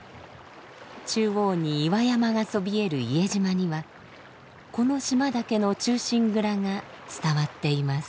中央に岩山がそびえる伊江島にはこの島だけの「忠臣蔵」が伝わっています。